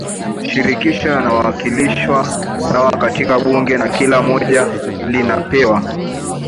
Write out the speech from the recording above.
shirikisho yanawakilishwa sawa katika bunge na kila moja linapewa